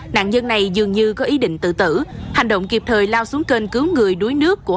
nạn nhân này dường như có ý định tự tử hành động kịp thời lao xuống kênh cứu người đuối nước của